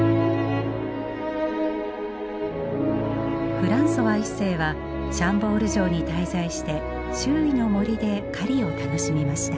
フランソワ一世はシャンボール城に滞在して周囲の森で狩りを楽しみました。